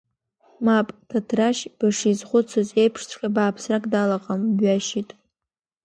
Мап, Ҭаҭрашь бышизхәыцыз еиԥшҵәҟьа бааԥсрак далаҟам, бҩашьеит!